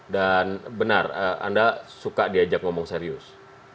dan benar anda suka diajak ngomong serius